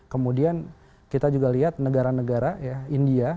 kemudian kita juga lihat negara negara ya india